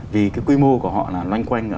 vì cái quy mô của họ là loanh quanh